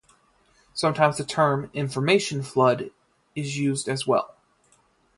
Sometimes the term "information flood" is used as well.